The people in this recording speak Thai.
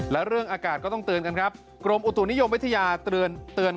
และเรื่องอากาศก็ต้องเตือนกันครับกรมอุตุนิยมวิทยาเตือน